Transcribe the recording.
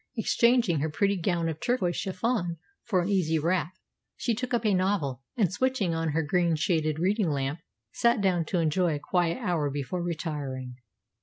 Exchanging her pretty gown of turquoise chiffon for an easy wrap, she took up a novel, and, switching on her green shaded reading lamp, sat down to enjoy a quiet hour before retiring.